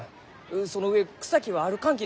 その上草木は歩かんきね。